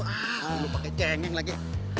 aduh pake cengeng lagi